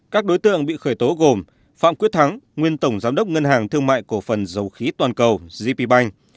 các đối tượng bị khởi tố gồm phạm quyết thắng nguyên tổng giám đốc ngân hàng thương mại cổ phần dầu khí toàn cầu gp bank